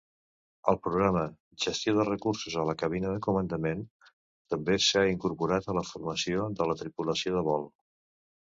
El programa "Gestió de recursos a la cabina de comandament" també s'ha incorporat a la formació de la tripulació de vol.